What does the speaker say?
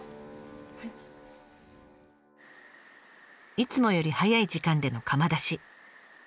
いつもより早い時間での窯出し。